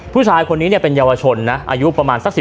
ผู้ชายคนนี้เป็นเยาวชนนะอายุประมาณสัก๑๕